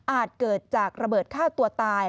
เกิดจากระเบิดฆ่าตัวตาย